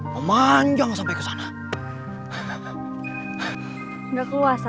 tempat kita mengumpulkan telur